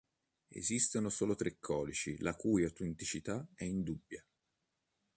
Esistono solo tre codici la cui autenticità è indubbia.